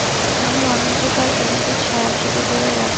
আমি অনন্তকাল তোমাদের ছায়াবৃত করে রাখব।